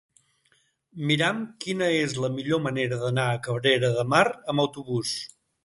Mira'm quina és la millor manera d'anar a Cabrera de Mar amb autobús.